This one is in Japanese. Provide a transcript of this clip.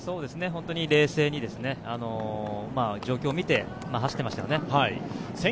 本当に冷静に状況を見て走ってましたよね。